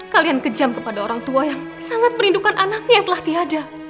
kalian kejam kepada orang tua yang sangat merindukan anaknya yang telah tiajah